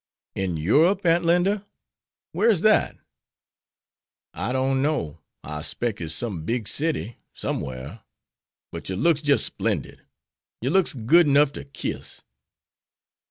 "In Europe, Aunt Linda? Where's that?" "I don't know. I specs its some big city, somewhar. But yer looks jis' splendid. Yer looks good 'nuff ter kiss."